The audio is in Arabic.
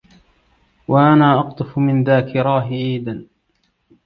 وأنا أقطف من ذاكراه.. عيدا!